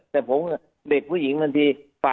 แต่ผมเด็กผู้หญิงบางที